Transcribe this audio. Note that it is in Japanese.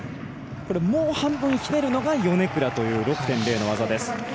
もう半分ひねるのがヨネクラという６．０の技です。